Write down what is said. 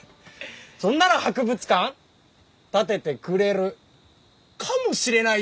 そんなら博物館建ててくれるかもしれないよねえ？